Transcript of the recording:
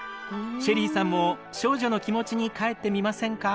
ＳＨＥＬＬＹさんも少女の気持ちにかえってみませんか？